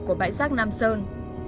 của bãi rác nam sơn